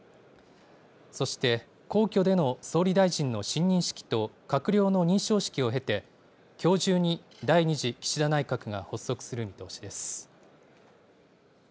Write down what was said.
そして、皇居での総理大臣の親任式と閣僚の認証式を経て、きょう中に第２次岸田内閣が発足する見通しです。